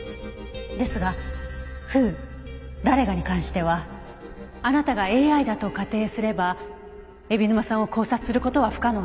ですがＷＨＯ「誰が」に関してはあなたがＡＩだと仮定すれば海老沼さんを絞殺する事は不可能です。